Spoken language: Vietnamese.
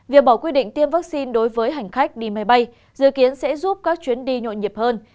việc bỏ quy định tiêm vaccine đối với hành khách đi máy bay dự kiến sẽ giúp các chuyến đi nhộn nhịp hơn